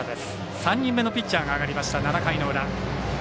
３人目のピッチャーが上がりました、７回の裏。